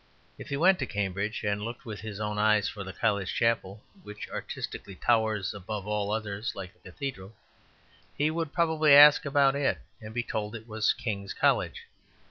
If he went to Cambridge and looked with his own eyes for the college chapel which artistically towers above all others like a cathedral, he would probably ask about it, and be told it was King's College.